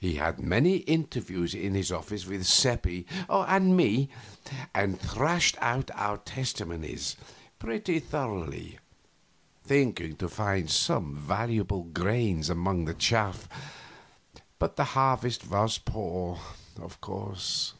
He had many interviews in his office with Seppi and me, and threshed out our testimony pretty thoroughly, thinking to find some valuable grains among the chaff, but the harvest was poor, of course.